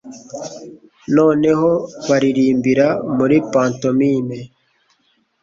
noneho baririmbira muri pantomime